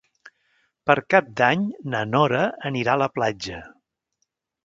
Per Cap d'Any na Nora anirà a la platja.